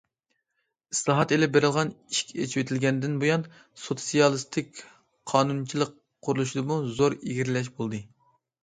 ئىسلاھات ئېلىپ بېرىلغان، ئىشىك ئېچىۋېتىلگەندىن بۇيان، سوتسىيالىستىك قانۇنچىلىق قۇرۇلۇشىدىمۇ زور ئىلگىرىلەشلەر بولدى.